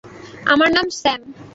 আমার নাম স্যাম।